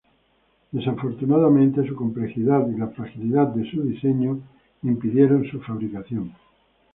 Desafortunadamente, su complejidad y la fragilidad de su diseño impidieron su fabricación.